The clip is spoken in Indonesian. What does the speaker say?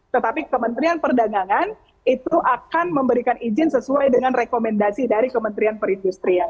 tetapi kementrian perdagangan itu akan memberikan izin sesuai dengan rekomendasi dari kementrian perindustria